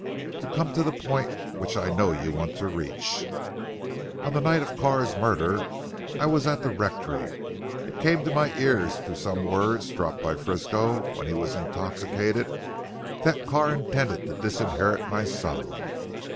"To come to the point which I know you want to reach. On the night of Carr's murder I was at the rectory. It came to my ears through some words dropped by Frisco when he was intoxicated, that Carr intended to disinherit my son.